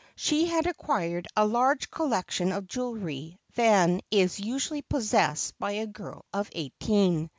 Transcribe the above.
She had acquired a larger collection of jewellery than is usually possessed by a girl of eighteen.